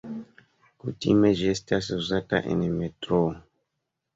Kutime ĝi estas uzata en metroo.